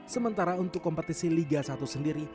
sementara untuk kompetisi liga satu sendiri